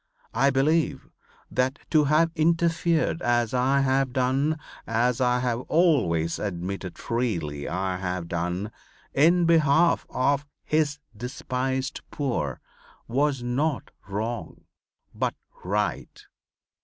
I believe that to have interfered as I have done, as I have always admitted freely I have done, in behalf of His despised poor was not wrong but right.